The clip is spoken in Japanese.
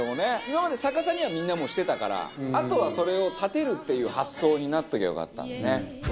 今まで逆さにはみんなもうしてたからあとはそれを立てるっていう発想になっときゃよかったんだね。